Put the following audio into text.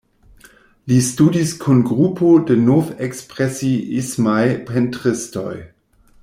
Li studis kun grupo de nov-ekspresiismaj pentristoj.